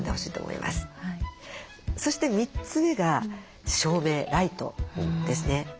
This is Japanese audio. そして３つ目が照明ライトですね。